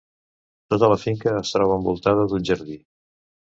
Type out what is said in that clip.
Tota la finca es troba envoltada d'un jardí.